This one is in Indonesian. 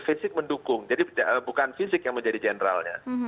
fisik mendukung jadi bukan fisik yang menjadi generalnya